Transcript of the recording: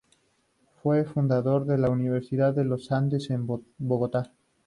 Fue fundador de la Universidad de los Andes en Bogotá.